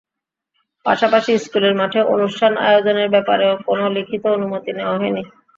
পাশাপাশি স্কুলের মাঠে অনুষ্ঠান আয়োজনের ব্যাপারেও কোনো লিখিত অনুমতি নেওয়া হয়নি।